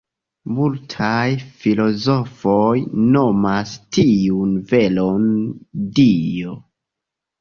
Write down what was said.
Multaj filozofoj nomas tiun veron “Dio”.